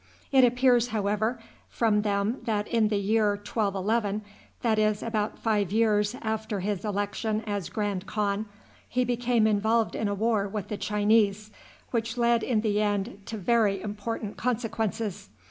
It appears, however, from them that in the year 1211, that is, about five years after his election as grand khan, he became involved in a war with the Chinese, which led, in the end, to very important consequences.